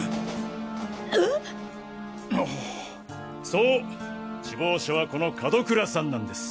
そう首謀者はこの門倉さんなんです。